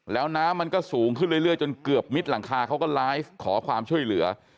แล้วน้ำมันก็สูงขึ้นเรื่อยจนเกือบมิดหลังคาเขาก็ไลฟ์ขอความช่วยเหลือ